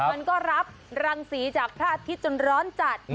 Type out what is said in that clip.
มันก็รับรังสีจากพระอาทิตย์จนร้อนจัด